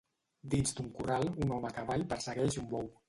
Dins d'un corral un home a cavall persegueix un bou.